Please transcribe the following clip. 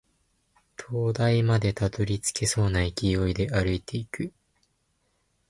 灯台までたどり着けそうな勢いで歩いていく